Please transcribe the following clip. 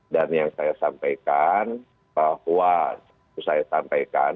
dan yang saya sampaikan wah saya sampaikan